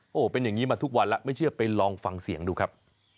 โอ้โหเป็นอย่างนี้มาทุกวันแล้วไม่เชื่อไปลองฟังเสียงดูครับ